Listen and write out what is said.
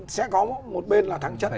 sẽ có một bên là thắng chất